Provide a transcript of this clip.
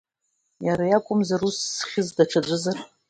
Иара иакәымзар ус зыхьыз, даҽаӡәызар?